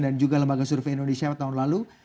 juga lembaga survei indonesia tahun lalu